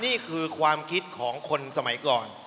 นี่คือความคิดของคนสมัยก่อน